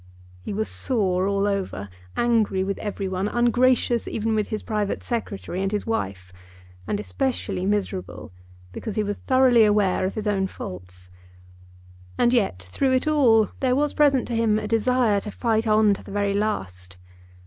He was sore all over, angry with every one, ungracious even with his private Secretary and his wife, and especially miserable because he was thoroughly aware of his own faults. And yet, through it all, there was present to him a desire to fight on to the very last.